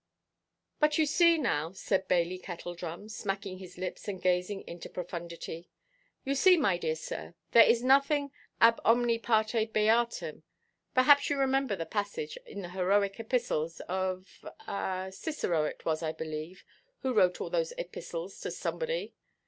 "But you see, now," said Bailey Kettledrum, smacking his lips, and gazing into profundity, "you see, my dear sir, there is nothing 'ab omni parte beatum;' perhaps you remember the passage in the heroic epistles of—ah, Cicero it was, I believe, who wrote all those epistles to somebody."